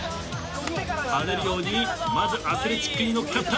跳ねるようにまずアスレチックに乗っかった。